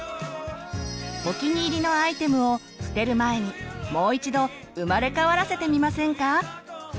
お気に入りのアイテムを捨てる前にもう一度生まれ変わらせてみませんか！